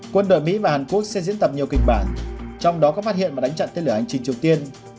quân đội mỹ và hàn quốc sẽ diễn tập nhiều kịch bản trong đó có phát hiện và đánh chặn tên lửa hành trình triều tiên